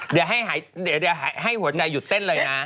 เดี๋ยวให้หัวใจหยุดเต้นเลยนะ